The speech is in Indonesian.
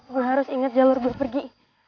gue harus inget jalur buat pergi